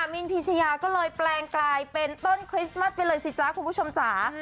มินพีชยาก็เลยแปลงกลายเป็นต้นคริสต์มัสไปเลยสิจ๊ะคุณผู้ชมจ๋า